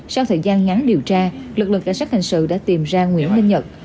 sau thời gian ngắn điều tra lực lượng cảnh sát hình sự đã tìm ra nguyễn minh nhật